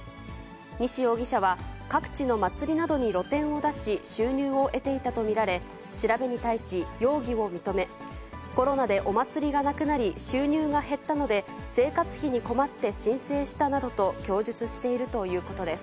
西容疑者は、各地の祭りなどに露店を出し、収入を得ていたとみられ、調べに対し、容疑を認め、コロナでお祭りがなくなり、収入が減ったので、生活費に困って申請したなどと供述しているということです。